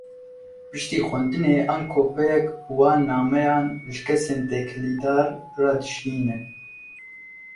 Piştî xwendinê, em kopyeke wan nameyan, ji kesên têkildar re dişînin